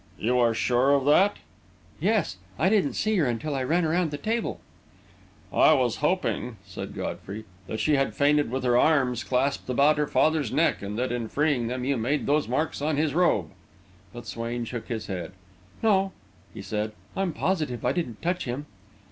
"You are sure of that?" "Yes; I didn't see her until I ran around the table." "I was hoping," said Godfrey, "that she had fainted with her arms clasped about her father's neck, and that, in freeing them, you made those marks on his robe." But Swain shook his head. "No," he said; "I'm positive I didn't touch him."